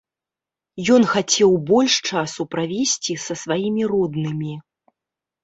Ён хацеў больш часу правесці са сваімі роднымі.